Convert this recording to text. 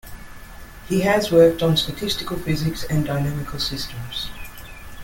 He has worked on statistical physics and dynamical systems.